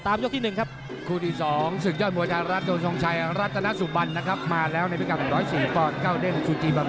ตามยกที่หนึ่งครับ